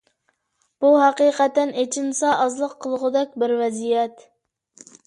بۇ ھەقىقەتەن ئىچىنسا ئازلىق قىلغۇدەك بىر ۋەزىيەت.